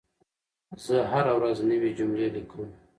زه هره ورځ نوي جملې لیکم.